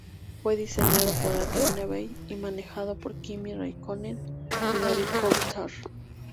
Fue diseñado por Adrian Newey y manejado por Kimi Räikkönen y David Coulthard.